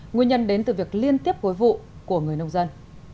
nguyên nhân đến từ việc liên tiếp gối vụ của người nông dân